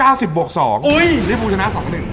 เรียบรู้ชนะ๒๑